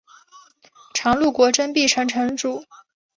常陆国真壁城城主。